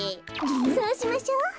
そうしましょう。